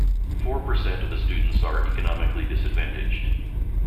Four percent of the students are economically disadvantaged.